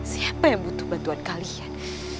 siapa yang butuh bantuan kalian